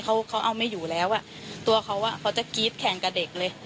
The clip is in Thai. เขาเขาเอาไม่อยู่แล้วอ่ะตัวเขาอ่ะเขาจะกรี๊ดแข่งกับเด็กเลย